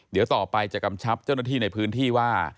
เดี๋ยวต่อไปจะกำชับเจ้าหน้าที่ในพื้นที่ว่า